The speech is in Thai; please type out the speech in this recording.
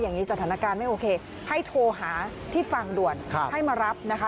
อย่างนี้สถานการณ์ไม่โอเคให้โทรหาที่ฟังด่วนให้มารับนะคะ